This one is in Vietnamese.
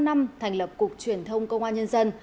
năm năm thành lập cục truyền thông công an nhân dân